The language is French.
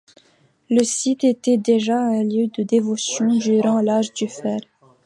Le site était déjà un lieu de dévotion durant l'âge du fer.